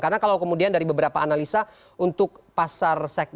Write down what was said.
karena kalau kemudian dari beberapa analisa untuk pasar segmen masyarakat